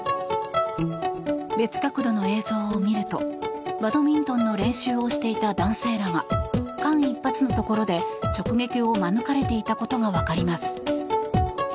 別角度の映像を見るとバドミントンの練習をしていた男性らが間一髪のところで直撃を免れていたことがわかります。